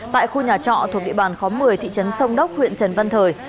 tại khu nhà trọ thuộc địa bàn khóm một mươi thị trấn sông đốc huyện trần văn thời